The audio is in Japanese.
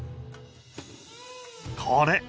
これ。